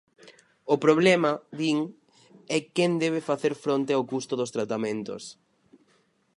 O problema, din, é quen debe facer fronte ao custo dos tratamentos.